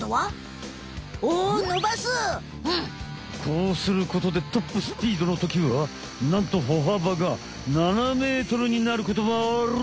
こうすることでトップスピードのときはなんとほはばが７ｍになることもある！